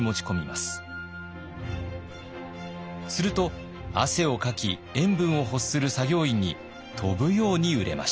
すると汗をかき塩分を欲する作業員に飛ぶように売れました。